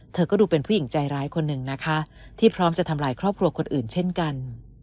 เธอก็ดูเป็นผู้หญิงใจร้ายคนหนึ่งนะคะที่พร้อมจะทำลายครอบครัวคนอื่นเช่นกัน